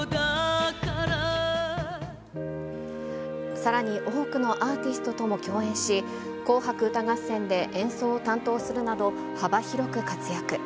さらに、多くのアーティストとも共演し、紅白歌合戦で演奏を担当するなど、幅広く活躍。